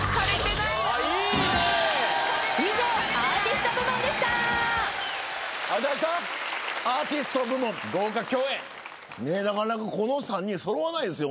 なかなかこの３人揃わないですよ